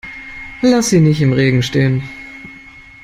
Lass sie nicht im Regen stehen!